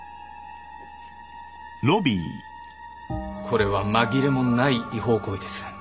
これは紛れもない違法行為です。